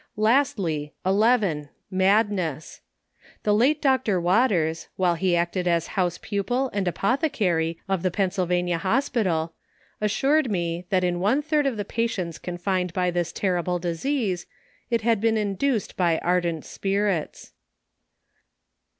Lastly, 11. Madness. The late Dr*. Waters, while he acted as house pupil aud apothecary of the Pennsylvania 6 ON THE EFFECTS OF Hospital, assured me, that in one third of the patents con fined by this terrible disease, it had been induced by ar dent spirits.